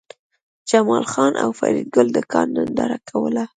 جمال خان او فریدګل د کان ننداره کوله